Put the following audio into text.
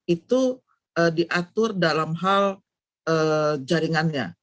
itu diatur dalam hal jaringannya